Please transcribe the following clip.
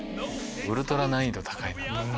ウルトラ難易度高いなと。